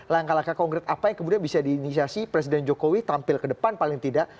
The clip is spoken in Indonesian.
langkah langkah konkret apa yang kemudian bisa diinisiasi presiden jokowi tampil ke depan paling tidak